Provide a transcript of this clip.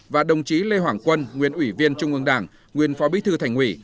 và đồng chí lê hoàng quân nguyên ủy viên trung ương đảng nguyên phó bí thư thành ủy